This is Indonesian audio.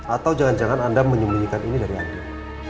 atau jangan jangan anda menyembunyikan ini dari anda